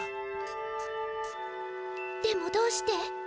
「でもどうして？